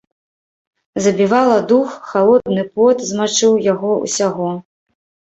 Забівала дух, халодны пот змачыў яго ўсяго.